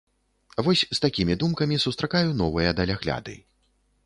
Вось з такімі думкамі сустракаю новыя далягляды.